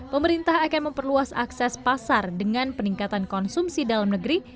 pemerintah akan memperluas akses pasar dengan peningkatan konsumsi dalam negeri